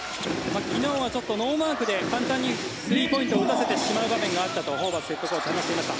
昨日はちょっとノーマークで簡単にスリーポイントを打たせてしまう場面があったとホーバスヘッドコーチは話していました。